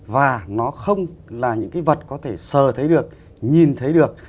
và nó không là những cái vật có thể sờ thấy được nhìn thấy được